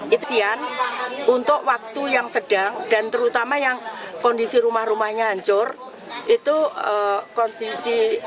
itusian untuk waktu yang sedang dan terutama yang kondisi rumah rumahnya hancur itu kondisi